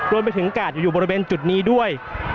รวมไปถึงกาดอยู่บริเวณจุดนี้ด้วย